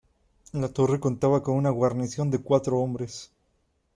La torre contaba con una guarnición de cuatro hombres.